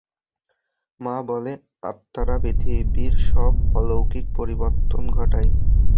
মা বলে, আত্মারা পৃথিবীর সব অলৌকিক পরিবর্তন ঘটায়।